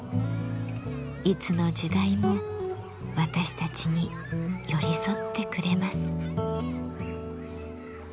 いつの時代も私たちに寄り添ってくれます。